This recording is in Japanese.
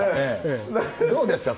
どうですか？